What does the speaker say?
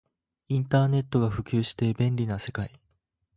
インターネットが普及して便利な世界